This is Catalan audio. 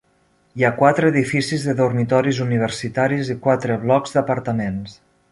Hi ha quatre edificis de dormitoris universitaris i quatre blocs d'apartaments.